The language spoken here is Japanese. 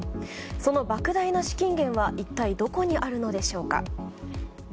その莫大な資金源は一体どこにあるのでしょうか。